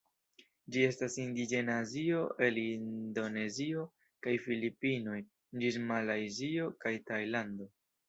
Ĝi estas indiĝena de Azio, el Indonezio kaj Filipinoj ĝis Malajzio kaj Tajlando.